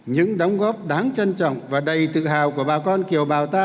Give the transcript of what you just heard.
những đóng góp đáng trân trọng và đầy tự hào của bà con kiều bào ta